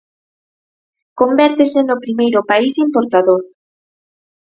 Convértese no primeiro país importador.